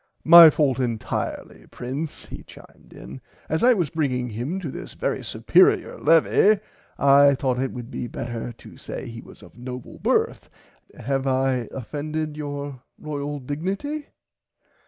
My fault entirely Prince he chimed in, as I was bringing him to this very supearier levie I thought it would be better to say he was of noble birth have I offended your Royal dignity.